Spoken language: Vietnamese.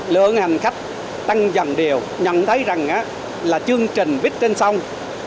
lượng hành khách tăng dần đều nhận thấy rằng là chương trình buýt trên sông